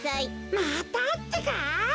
またってか？